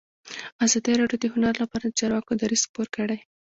ازادي راډیو د هنر لپاره د چارواکو دریځ خپور کړی.